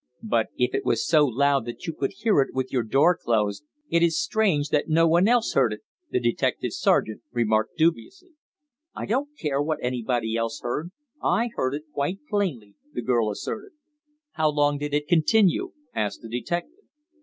"But if it was so loud that you could hear it with your door closed, it is strange that no one else heard it," the detective sergeant remarked dubiously. "I don't care what anybody else heard, I heard it quite plainly," the girl asserted. "How long did it continue?" asked the detective.